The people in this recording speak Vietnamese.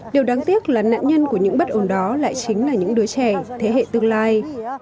điều đáng tiếc là nạn nhân của những bất ổn đó lại chính là những đứa trẻ thế hệ tương lai